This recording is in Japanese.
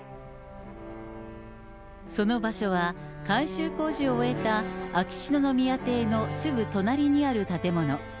その場所は、改修工事を終えた秋篠宮邸のすぐ隣にある建物。